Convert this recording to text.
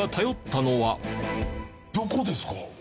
どこですか？